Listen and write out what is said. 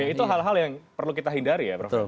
itu hal hal yang perlu kita hindari ya prof